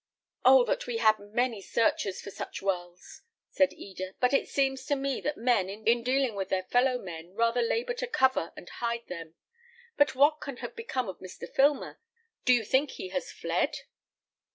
"Oh! that we had many searchers for such wells," said Eda; "but it seems to me that men, in dealing with their fellow men, rather labour to cover and hide them. But what can have become of Mr. Filmer? Do you think he has fled?"